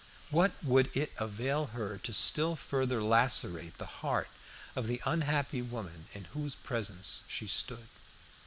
What would it avail her to still further lacerate the heart of the unhappy woman in whose presence she stood?